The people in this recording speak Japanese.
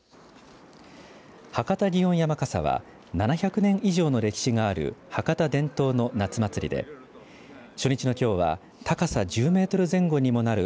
博多祇園山笠は７００年以上の歴史がある博多伝統の夏祭りで初日のきょうは高さ１０メートル前後にもなる